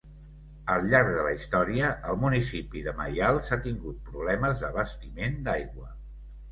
Al llarg de la història el municipi de Maials ha tingut problemes d'abastiment d'aigua.